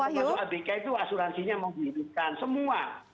nah untuk abk itu asuransinya mau dihidupkan semua